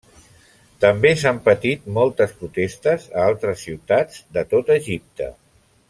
També s'han patit moltes protestes a altres ciutats de tot Egipte.